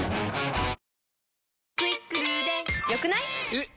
えっ！